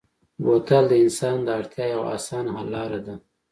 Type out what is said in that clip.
بوتل د انسان د اړتیا یوه اسانه حل لاره ده.